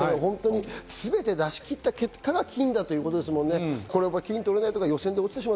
全て出し切った結果が金だということですもんね。